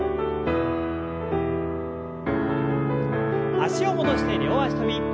脚を戻して両脚跳び。